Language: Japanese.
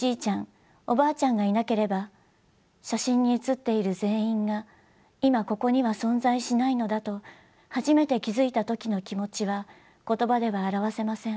おばあちゃんがいなければ写真に写っている全員が今ここには存在しないのだと初めて気付いた時の気持ちは言葉では表せません。